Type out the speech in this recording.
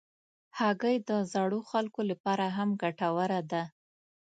هګۍ د زړو خلکو لپاره هم ګټوره ده.